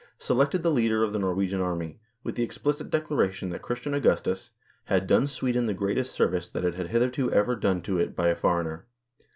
selected the leader of the Norwegian army, with the explicit declaration that Christian Augustus "had done Sweden the greatest service that it had hitherto ever had done to it by a foreigner."